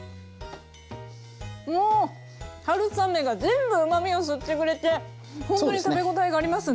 もう春雨が全部うまみを吸ってくれてほんとに食べごたえがありますね。